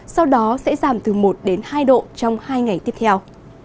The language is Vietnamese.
sau đó sẽ giảm từ một đến hai độ trong hai ngày tiếp theo